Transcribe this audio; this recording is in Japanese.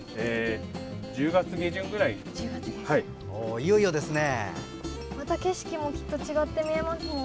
いよいよですね。